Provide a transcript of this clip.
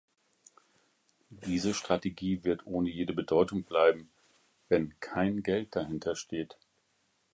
Diese Strategie wird ohne jede Bedeutung bleiben, wenn kein Geld dahintersteht.